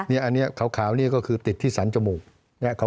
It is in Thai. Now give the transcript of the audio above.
นี่อันนี้ขาวนี่ก็คือติดที่สันจมูก